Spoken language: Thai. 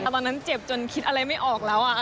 ตอนนั้นเจ็บจนคิดอะไรไม่ออกแล้ว